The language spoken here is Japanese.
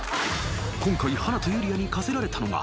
［今回華とユリアに課せられたのが］